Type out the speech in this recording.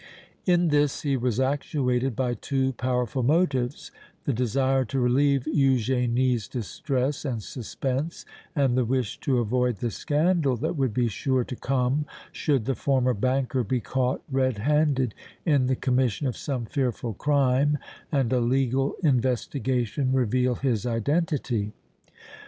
In this he was actuated by two powerful motives the desire to relieve Eugénie's distress and suspense and the wish to avoid the scandal that would be sure to come should the former banker be caught red handed in the commission of some fearful crime and a legal investigation reveal his identity.